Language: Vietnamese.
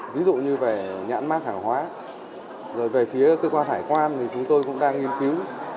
ví dụ như về nhãn mác hàng hóa rồi về phía cơ quan hải quan thì chúng tôi cũng đang nghiên cứu